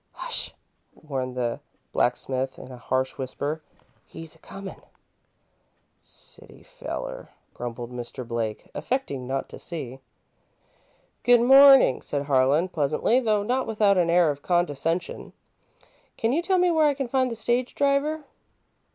"Hush!" warned the blacksmith, in a harsh whisper. "He's a comin'!" "City feller," grumbled Mr. Blake, affecting not to see. "Good morning," said Harlan, pleasantly, though not without an air of condescension. "Can you tell me where I can find the stage driver?"